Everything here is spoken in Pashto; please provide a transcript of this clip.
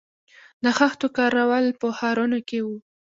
د خښتو کارول په ښارونو کې وو